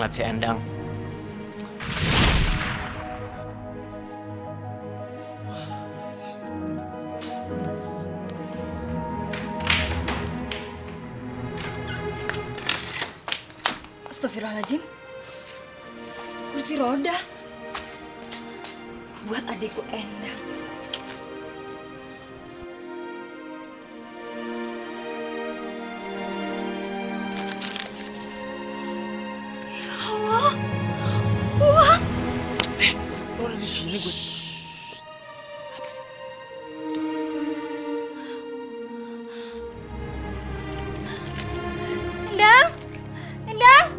ada kursi roda buat kamu